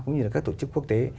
cũng như là các tổ chức quốc tế